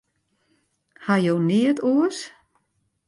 Ha jo neat oars?